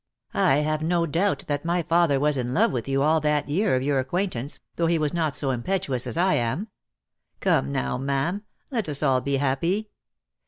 I have no doubt that my father was in love with you all that year of your acquaintance, though he was not so impetuous as I am. Come now, ma'am, let us all be happy.